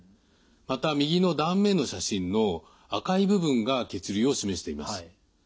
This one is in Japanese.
また右の断面の写真の赤い部分が血流を示しています。